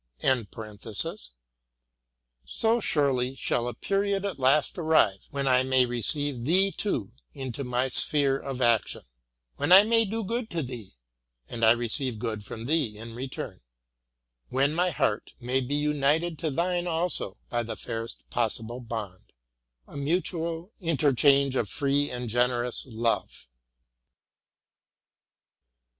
— so surely shall a period at last arrive when I may receive thee too into my sphere of action, — when I may do good to thee, and receive good from thee in return; when my heart may be united to thine also, by the fairest possible bond, — a mutual interchange of free and generous love.